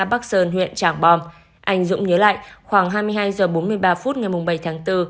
anh dũng nhớ lại khoảng hai mươi hai h bốn mươi ba phút ngày bảy tháng bốn